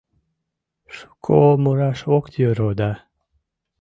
Шуко мураш ок йӧрӧ да